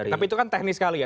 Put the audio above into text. tapi itu kan teknis sekali ya